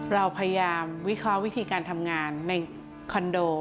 เราพยายามวิเคราะห์วิธีการทำงานในคอนโด